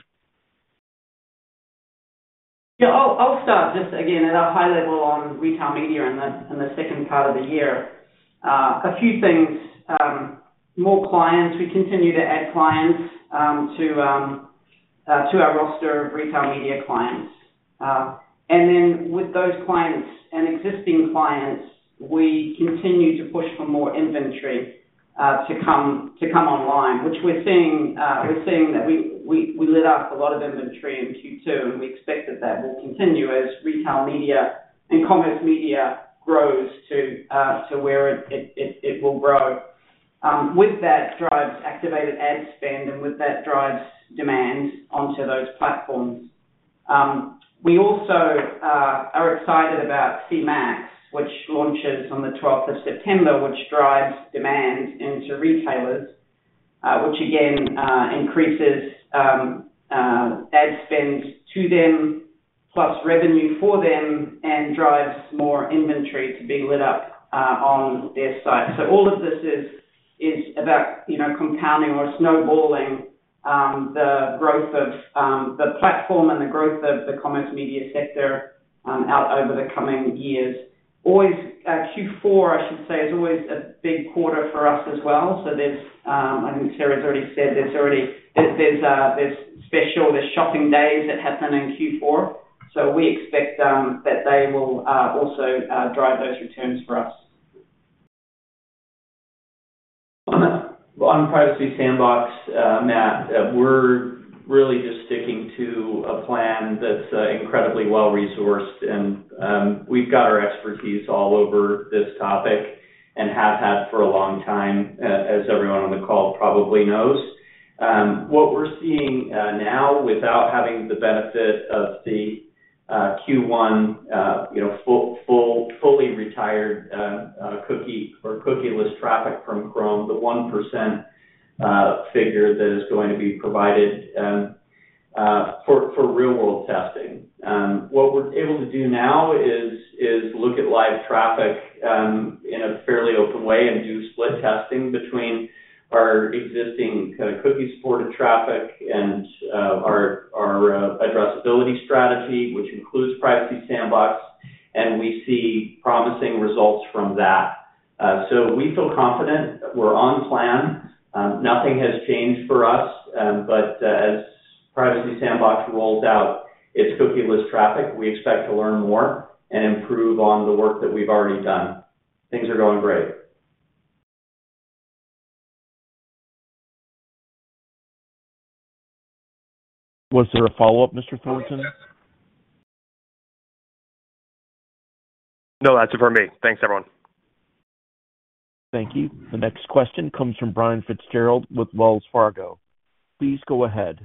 S3: Yeah, I'll, I'll start just again, at a high level on retail media in the, in the second part of the year. A few things. More clients. We continue to add clients, to, to our roster of retail media clients. Then with those clients and existing clients, we continue to push for more inventory, to come, to come online, which we're seeing, we're seeing that we, we, we lit up a lot of inventory in Q2, and we expect that, that will continue as retail media and commerce media grows to, to where it, it, it, it will grow. With that drives activated ad spend, and with that drives demand onto those platforms. We also are excited about C-Max, which launches on the September 12th, which drives demand into retailers, which again increases ad spend to them, plus revenue for them, and drives more inventory to be lit up on their site. All of this is about, you know, compounding or snowballing the growth of the platform and the growth of the commerce media sector out over the coming years. Always, Q4, I should say, is always a big quarter for us as well. There's, I think Sarah's already said, there's already, there's, there's special, there's shopping days that happen in Q4, we expect that they will also drive those returns for us.
S6: On, on Privacy Sandbox, Matt, we're really just sticking to a plan that's incredibly well-resourced, and we've got our expertise all over this topic and have had for a long time, as everyone on the call probably knows. What we're seeing now, without having the benefit of the Q1, full, fully retired, cookie or cookieless traffic from Chrome, the 1% figure that is going to be provided for real-world testing. What we're able to do now is, is look at live traffic in a fairly open way and do split testing between our existing kind of cookie-supported traffic and our addressability strategy, which includes Privacy Sandbox, and we see promising results from that. We feel confident that we're on plan. Nothing has changed for us. As Privacy Sandbox rolls out its cookieless traffic, we expect to learn more and improve on the work that we've already done. Things are going great.
S1: Was there a follow-up, Matthew Thornton?
S10: No, that's it for me. Thanks, everyone.
S1: Thank you. The next question comes from Brian Fitzgerald with Wells Fargo. Please go ahead.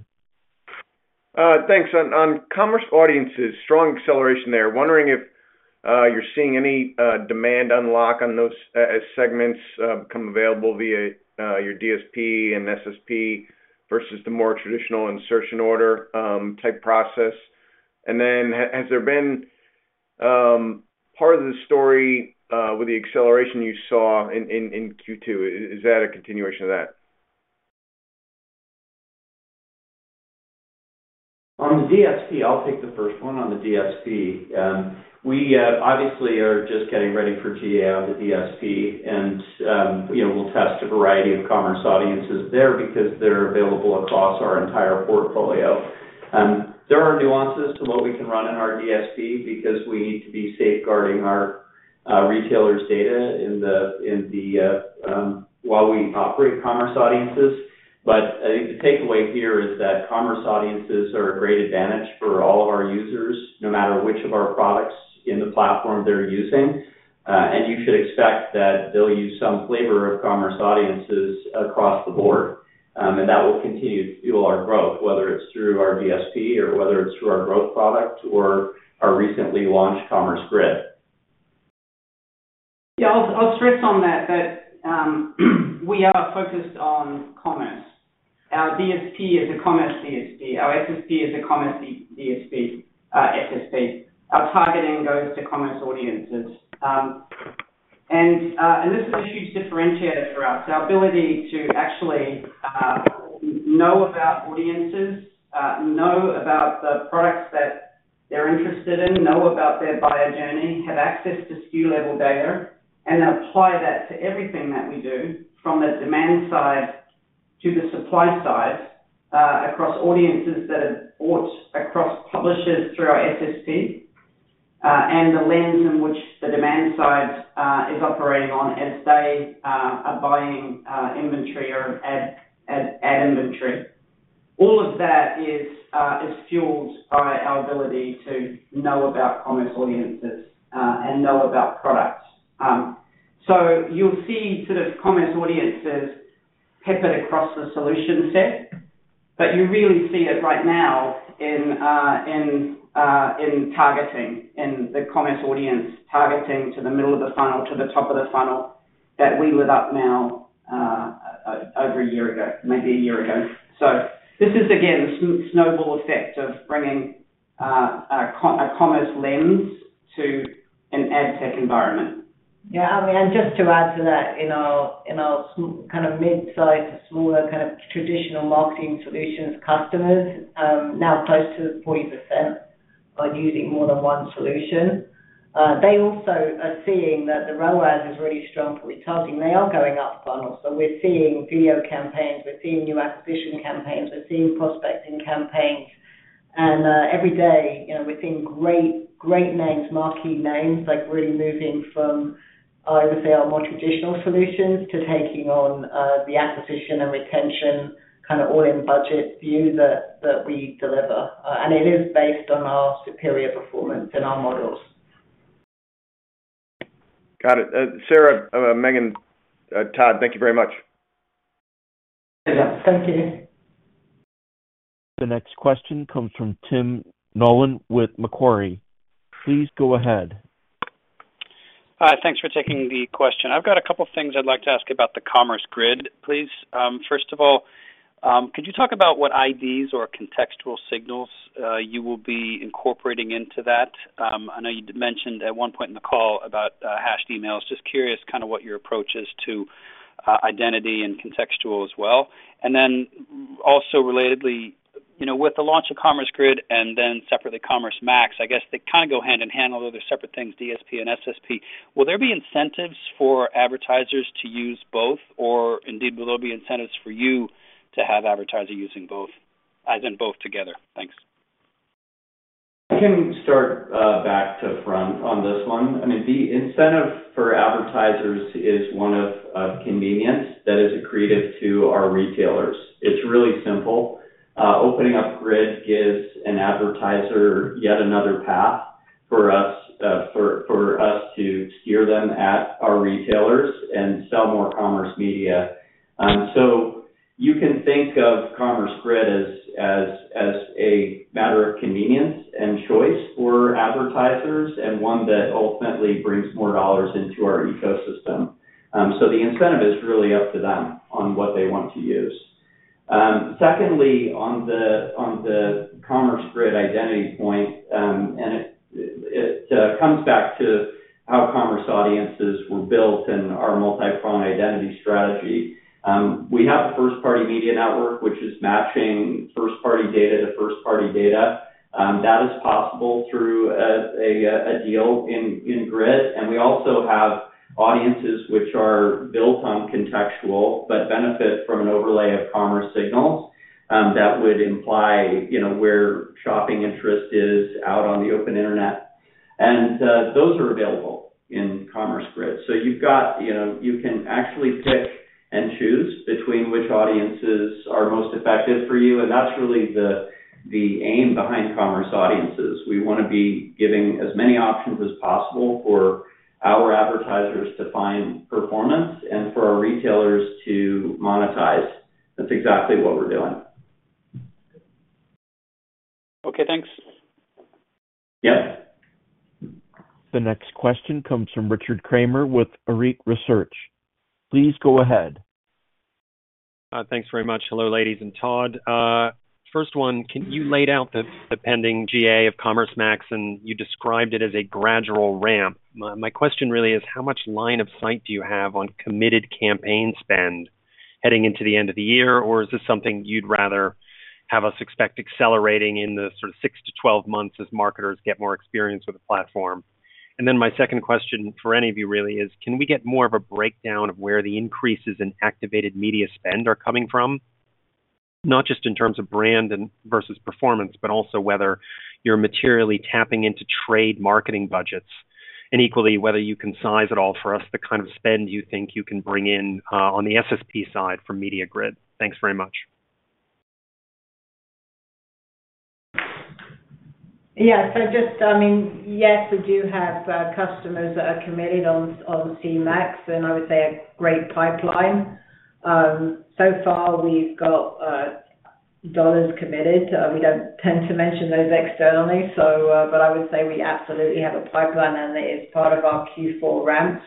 S11: Thanks. On, on commerce audiences, strong acceleration there. Wondering if you're seeing any demand unlock on those as segments become available via your DSP and SSP versus the more traditional insertion order type process? Then, ha- has there been part of the story with the acceleration you saw in Q2? Is that a continuation of that?
S6: On the DSP. I'll take the first one. On the DSP, we obviously are just getting ready for GA on the DSP, and you know, we'll test a variety of commerce audiences there because they're available across our entire portfolio. There are nuances to what we can run in our DSP because we need to be safeguarding our retailers' data in the in the while we operate commerce audiences. I think the takeaway here is that commerce audiences are a great advantage for all of our users, no matter which of our products in the platform they're using. You should expect that they'll use some flavor of commerce audiences across the board. That will continue to fuel our growth, whether it's through our DSP or whether it's through our growth product or our recently launched Commerce Grid.
S3: Yeah, I'll, I'll stress on that, that, we are focused on commerce. Our DSP is a Commerce SSP. Our SSP is a Commerce DSP, SSP. Our targeting goes to commerce audiences. And this is a huge differentiator for us. The ability to actually know about audiences, know about the products that they're interested in, know about their buyer journey, have access to SKU-level data, and apply that to everything that we do, from the demand side to the supply side, across audiences that have bought across publishers through our SSP, and the lens in which the demand side is operating on as they are buying inventory or ad inventory. All of that is fueled by our ability to know about commerce audiences, and know about products. You'll see sort of commerce audiences peppered across the solution set, but you really see it right now in targeting, in the commerce audience targeting to the middle of the funnel, to the top of the funnel, that we lit up now over a year ago, maybe a year ago. This is, again, the snowball effect of bringing a commerce lens to an ad tech environment.
S4: Yeah, I mean, just to add to that, you know, in our kind of mid-sized, smaller, kind of traditional marketing solutions, customers, now close to 40%, are using more than one solution. They also are seeing that the ROAS is really strong for retargeting. They are going up funnel. We're seeing video campaigns, we're seeing new acquisition campaigns, we're seeing prospecting campaigns. Every day, you know, we're seeing great, great names, marquee names, like, really moving from, I would say, our more traditional solutions to taking on the acquisition and retention kind of all-in budget view that we deliver. It is based on our superior performance and our models.
S11: Got it. Sarah, Megan, Todd, thank you very much.
S4: Yeah. Thank you.
S1: The next question comes from Tim Nollen with Macquarie. Please go ahead.
S12: Thanks for taking the question. I've got a couple things I'd like to ask about the Commerce Grid, please. First of all, could you talk about what IDs or contextual signals you will be incorporating into that? I know you mentioned at one point in the call about hashed emails. Just curious kind of what your approach is to identity and contextual as well. Also, relatedly, you know, with the launch of Commerce Grid and then separately, Commerce Max, I guess they kind of go hand in hand, although they're separate things, DSP and SSP. Will there be incentives for advertisers to use both, or indeed, will there be incentives for you to have advertisers using both, as in both together? Thanks.
S6: I can start back to front on this one. I mean, the incentive for advertisers is one of, of convenience that is accretive to our retailers. It's really simple. Opening up Grid gives an advertiser yet another path for us, for, for us to steer them at our retailers and sell more commerce media. You can think of Commerce Grid as, as, as a matter of convenience and choice for advertisers, and one that ultimately brings more dollars into our ecosystem. The incentive is really up to them on what they want to use. Secondly, on the, on the Commerce Grid identity point, it, it comes back to how commerce audiences were built and our multi-pronged identity strategy. We have a first-party media network, which is matching first-party data to first-party data. That is possible through a, a, a deal in, in Grid. We also have audiences which are built on contextual, but benefit from an overlay of commerce signals that would imply, you know, where shopping interest is out on the open internet. Those are available in Commerce Grid. You've got, you know, you can actually pick and choose between which audiences are most effective for you, and that's really the aim behind commerce audiences. We wanna be giving as many options as possible for our advertisers to find performance and for our retailers to monetize. That's exactly what we're doing.
S12: Okay, thanks.
S6: Yep.
S1: The next question comes from Richard Kramer with Arete Research. Please go ahead.
S13: Thanks very much. Hello, ladies and Todd. First one, can you laid out the pending GA of Commerce Max, and you described it as a gradual ramp. My question really is: How much line of sight do you have on committed campaign spend heading into the end of the year? Or is this something you'd rather have us expect accelerating in the sort of six-12 months as marketers get more experience with the platform? My second question, for any of you really, is: Can we get more of a breakdown of where the increases in activated media spend are coming from? Not just in terms of brand and versus performance, but also whether you're materially tapping into trade marketing budgets, and equally, whether you can size at all for us, the kind of spend you think you can bring in on the SSP side from MediaGrid. Thanks very much.
S4: Yeah. Just, I mean, yes, we do have customers that are committed on, on C-Max, and I would say a great pipeline. So far, we've got dollars committed. We don't tend to mention those externally, but I would say we absolutely have a pipeline, and it is part of our Q4 ramp.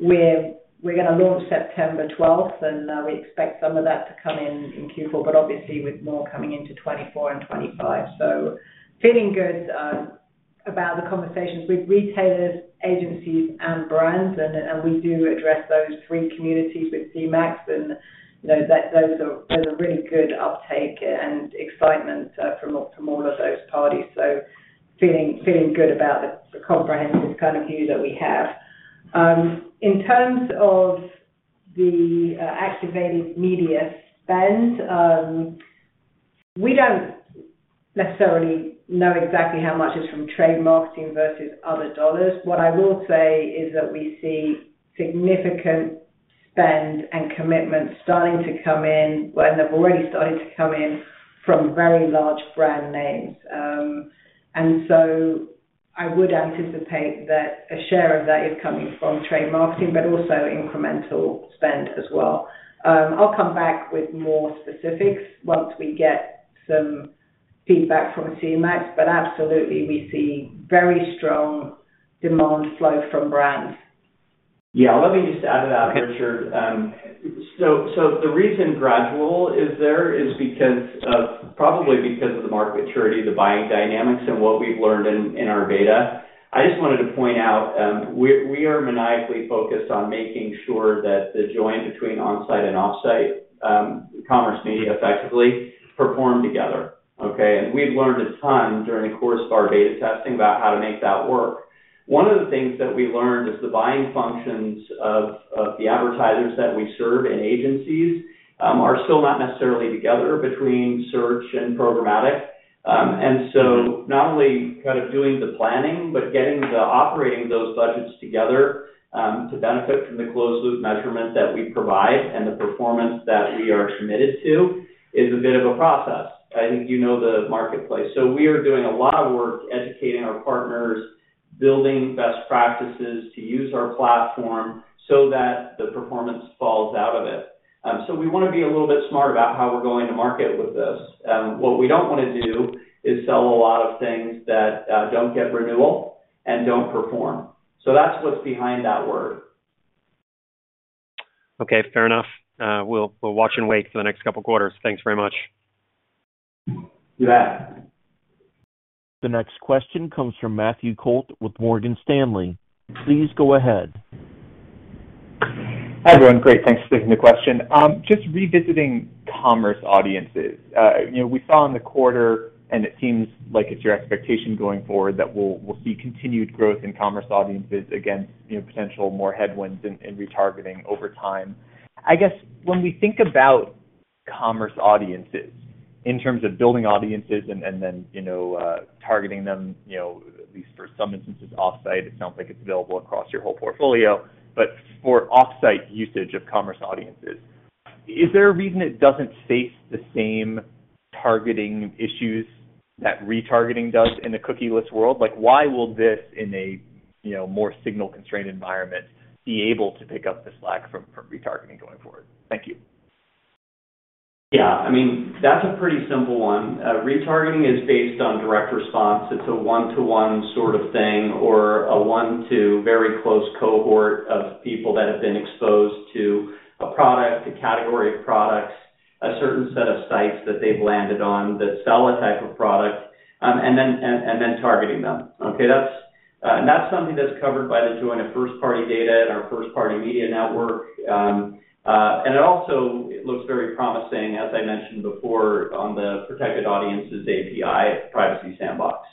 S4: We're, we're gonna launch September 12th, and we expect some of that to come in in Q4, but obviously with more coming into 2024 and 2025. Feeling good about the conversations with retailers, agencies, and brands, and, and we do address those three communities with C-Max. You know, there's a really good uptake and excitement from, from all of those parties. Feeling, feeling good about the, the comprehensive kind of view that we have. In terms of the activated media spend, we don't necessarily know exactly how much is from trade marketing versus other dollars. What I will say is that we see significant spend and commitment starting to come in, and have already started to come in from very large brand names. So I would anticipate that a share of that is coming from trade marketing, but also incremental spend as well. I'll come back with more specifics once we get some feedback from C-Max, but absolutely, we see very strong demand flow from brands.
S6: Yeah, let me just add to that, Richard. The reason gradual is there is because of, probably because of the market maturity, the buying dynamics, and what we've learned in, in our beta. I just wanted to point out, we, we are maniacally focused on making sure that the joint between on-site and off-site, commerce media effectively perform together, okay? We've learned a ton during the course of our beta testing about how to make that work. One of the things that we learned is the buying functions of, of the advertisers that we serve, and agencies, are still not necessarily together between search and programmatic. Not only kind of doing the planning, but getting the operating those budgets together, to benefit from the closed-loop measurement that we provide and the performance that we are committed to, is a bit of a process. I think you know the marketplace. We are doing a lot of work educating our partners, building best practices to use our platform so that the performance falls out of it. We want to be a little bit smart about how we're going to market with this. What we don't want to do is sell a lot of things that don't get renewal and don't perform. That's what's behind that word.
S13: Okay, fair enough. We'll, we'll watch and wait for the next couple quarters. Thanks very much.
S6: You bet.
S1: The next question comes from Matthew Cost with Morgan Stanley. Please go ahead.
S14: Hi, everyone. Great. Thanks for taking the question. Just revisiting commerce audiences. You know, we saw in the quarter, and it seems like it's your expectation going forward, that we'll, we'll see continued growth in commerce audiences against, you know, potential more headwinds in retargeting over time. I guess when we think about commerce audiences, in terms of building audiences and, and then, you know, targeting them, you know, at least for some instances, off-site, it sounds like it's available across your whole portfolio, but for off-site usage of commerce audiences, is there a reason it doesn't face the same targeting issues that retargeting does in the cookieless world? Like, why will this, in a, you know, more signal-constrained environment, be able to pick up the slack from retargeting going forward? Thank you.
S6: Yeah, I mean, that's a pretty simple one. Retargeting is based on direct response. It's a one-to-one sort of thing, or a one-to-very close cohort of people that have been exposed to a product, a category of products, a certain set of sites that they've landed on that sell a type of product, and then, and, and then targeting them. That's, and that's something that's covered by the joint of first-party data and our first-party media network. It also looks very promising, as I mentioned before, on the Protected Audience API, Privacy Sandbox.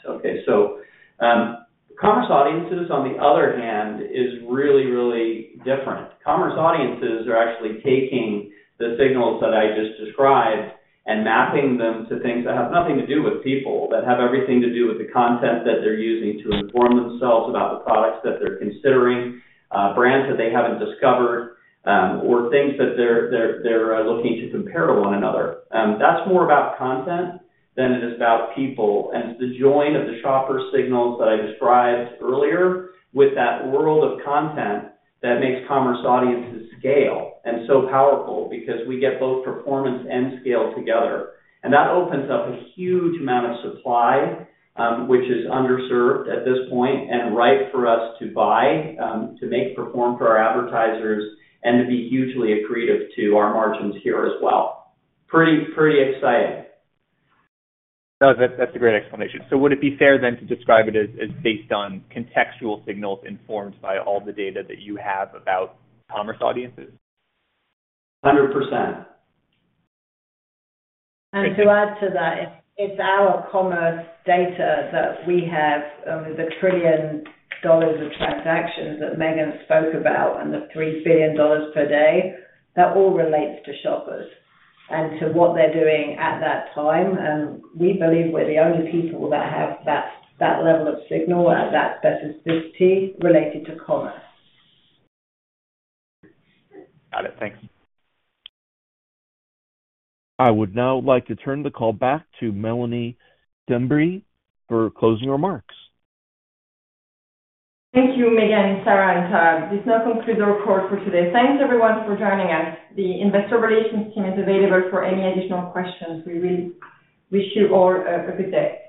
S6: Commerce audiences, on the other hand, is really, really different. Commerce audiences are actually taking the signals that I just described and mapping them to things that have nothing to do with people, that have everything to do with the content that they're using to inform themselves about the products that they're considering, brands that they haven't discovered, or things that they're, they're, they're looking to compare to one another. That's more about content than it is about people, and it's the join of the shopper signals that I described earlier with that world of content that makes commerce audiences scale and so powerful because we get both performance and scale together. That opens up a huge amount of supply, which is underserved at this point and ripe for us to buy, to make perform for our advertisers and to be hugely accretive to our margins here as well. Pretty, pretty exciting.
S14: No, that's, that's a great explanation. Would it be fair then to describe it as, as based on contextual signals informed by all the data that you have about commerce audiences?
S6: 100%.
S4: To add to that, it's, it's our commerce data that we have over $1 trillion of transactions that Megan Clarken spoke about and $3 billion per day, that all relates to shoppers and to what they're doing at that time. We believe we're the only people that have that, that level of signal at that specificity related to commerce.
S14: Got it. Thank you.
S1: I would now like to turn the call back to Mélanie Dambre for closing remarks.
S2: Thank you, Megan, Sarah, and Todd. This now concludes our call for today. Thanks, everyone, for joining us. The investor relations team is available for any additional questions. We really wish you all a good day.